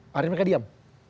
akhirnya mereka diam